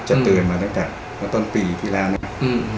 จะเตือนมาตั้งแต่เมื่อต้นปีที่แล้วเนี่ย